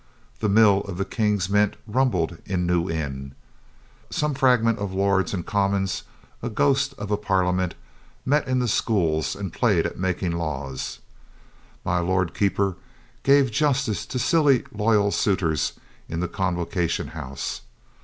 The mill of the King's mint rumbled in New Inn. Some fragment of Lords and Commons, a ghost of a parliament, met in the Schools and played at making laws. My Lord Keeper gave justice to silly loyal suitors in the Convocation House.